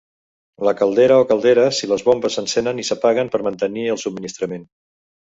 La caldera o calderes i les bombes s'encenen i s'apaguen per mantenir el subministrament.